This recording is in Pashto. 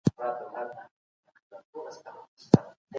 نصوار د رګونو بندښت سبب کېږي.